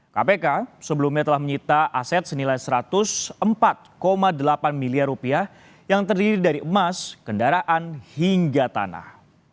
kpk sebelumnya telah menyita aset senilai satu ratus empat delapan miliar rupiah yang terdiri dari emas kendaraan hingga tanah